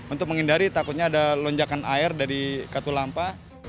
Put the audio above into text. untuk menghindari takutnya ada lonjakan air dari katu lampa